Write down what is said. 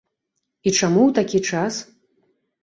І чаму ў такі час?